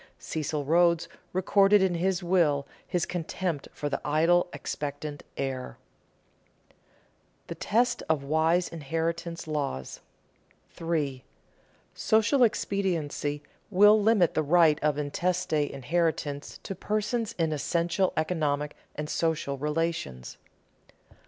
Cecil Rhodes recorded in his will his contempt for the idle, expectant heir. [Sidenote: The test of wise inheritance laws] 3. _Social expediency will limit the right of intestate inheritance to persons in essential economic and social relations.